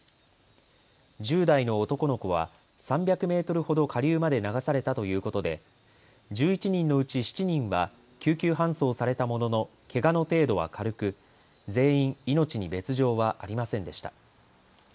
１０代の男の子は３００メートルほど下流まで流されたということで１１人のうち７人は救急搬送されたもののけがの程度は軽く全員、命に別状はありませんでした。